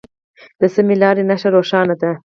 د سمې لارې نښه روښانه ده.